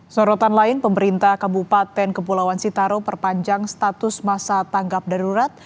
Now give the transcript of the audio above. sorotan lain pemerintah kabupaten kepulauan sitaro perpanjang status masa tanggap darurat